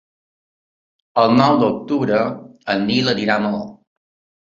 El nou d'octubre en Nil anirà a Maó.